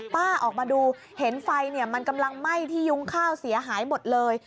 ป้าออกมาดูเห็นไฟมันกำลังไหม้ที่ยุ้งข้าวเสียหายหมดเลย